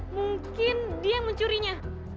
mungkin dia yang mencurinya